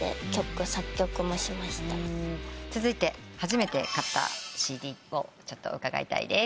続いて初めて買ったＣＤを伺いたいです。